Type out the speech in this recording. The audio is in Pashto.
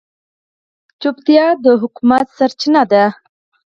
چوپتیا، د حکمت سرچینه ده.